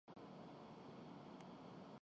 سابق وزیر اعظم ہیں۔